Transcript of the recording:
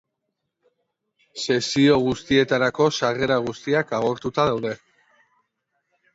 Sesio guztietako sarrera guztiak agortuta daude.